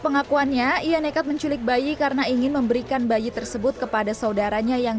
pengakuannya ia nekat menculik bayi karena ingin memberikan bayi tersebut kepada saudaranya yang